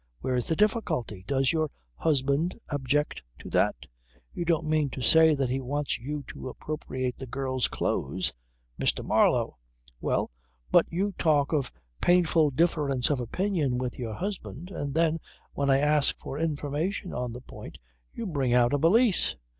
Where's the difficulty? Does your husband object to that? You don't mean to say that he wants you to appropriate the girl's clothes?" "Mr. Marlow!" "Well, but you talk of a painful difference of opinion with your husband, and then, when I ask for information on the point, you bring out a valise.